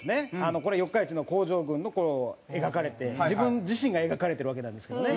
これ四日市の工場群の描かれて自分自身が描かれてるわけなんですけどね。